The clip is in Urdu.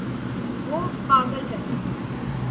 وہ پاگل ہے